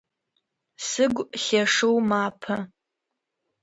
Сыгу лъэшэу мапэ.